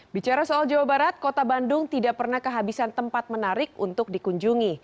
bicara soal jawa barat kota bandung tidak pernah kehabisan tempat menarik untuk dikunjungi